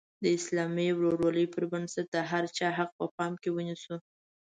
د اسلامي ورورولۍ پر بنسټ د هر چا حق په پام کې ونیسو.